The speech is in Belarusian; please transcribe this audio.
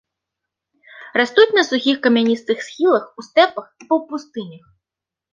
Растуць на сухіх камяністых схілах, у стэпах і паўпустынях.